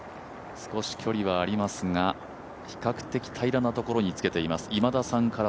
少し距離はありますが、比較的平らなところにつけています。